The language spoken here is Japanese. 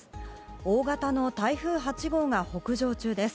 大型の台風８号が北上中です。